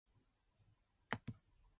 And so it will continue ad infinitum.